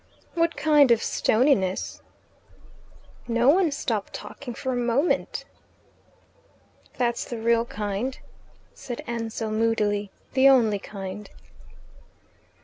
"What kind of stoniness" "No one stopped talking for a moment." "That's the real kind," said Ansell moodily. "The only kind."